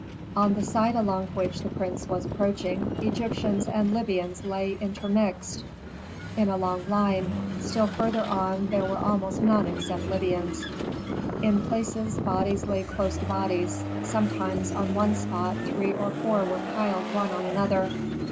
On the side along which the prince was approaching, Egyptians and Libyans lay intermixed, in a long line, still farther on there were almost none except Libyans. In places bodies lay close to bodies; sometimes on one spot three or four were piled one on another.